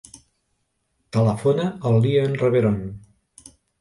Telefona al Lian Reveron.